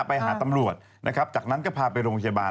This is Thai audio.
ไปหาตำรวจนะครับจากนั้นก็พาไปโรงพยาบาล